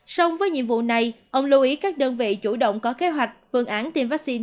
sông với nhiệm vụ này ông lưu ý các đơn vị chủ động có kế hoạch phương án tiêm vaccine